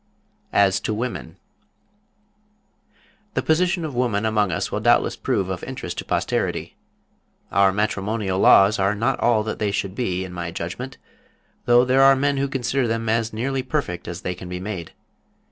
AS TO WOMEN The position of woman among us will doubtless prove of interest to posterity. Our matrimonial laws are not all that they should be, in my judgment, though there are men who consider them as nearly perfect as they can be made.